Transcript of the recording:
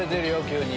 急に。